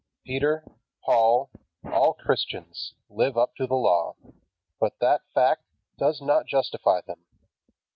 Peter, Paul, all Christians, live up to the Law. But that fact does not justify them.